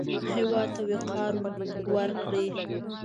هېواد ته وقار ورکړئ